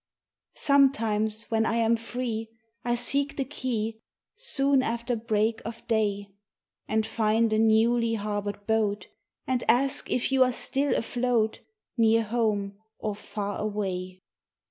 Sometimes when I am free I seek the quay Soon after break of day, And find a newly harboured boat, And ask if you are still afloat Near home or far away.